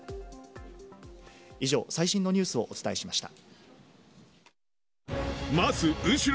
以上、最新のニュースをお伝えしました。